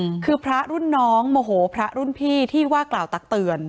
อืมคือพระรุ่นน้องโมโหพระรุ่นพี่ที่ว่ากล่าวตักเตือน